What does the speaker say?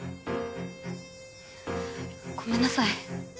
ごめんなさい